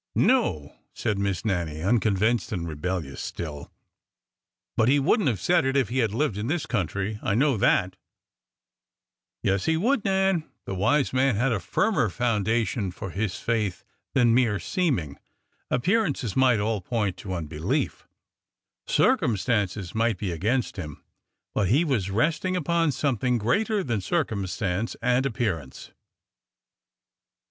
No," said Miss Nannie, unconvinced and rebellious still ;" but he would n't have said it if he had lived in this country. I know that !" ''Yes, he would, Nan. The wise man had a firmer foundation for his faith than mere seeming. Appearances might all point to unbelief ; circumstances might be against him ; but he was resting upon something greater than circumstance and appearance."